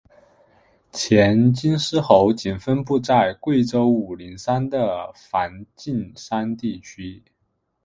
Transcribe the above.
黔金丝猴仅分布在贵州武陵山的梵净山地区。